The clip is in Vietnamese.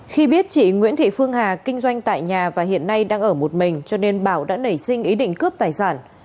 khi biết chị nguyễn thị phương hà kinh doanh tại nhà và hiện nay đang ở một mình cho nên bảo đã nảy sinh ý định cướp tài sản